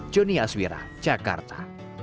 jonny aswira jakarta